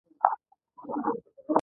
په افغانستان کې یاقوت شتون لري.